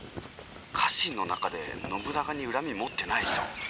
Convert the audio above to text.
家臣の中で信長に恨み持ってない人いないです」。